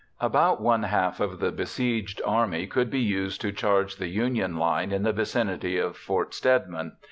_] About one half of the besieged army would be used to charge the Union line in the vicinity of Fort Stedman.